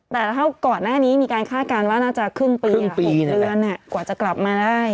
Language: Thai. แต่ถ้าก่อนหน้านี้มีการคาดการณ์ว่าน่าจะครึ่งปี๖เดือนกว่าจะกลับมาได้